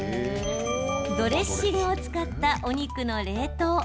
ドレッシングを使ったお肉の冷凍。